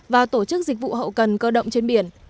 và tổ chức dịch vụ hậu cần cơ động trên biển